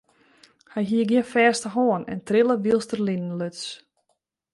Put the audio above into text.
Hy hie gjin fêste hân en trille wylst er linen luts.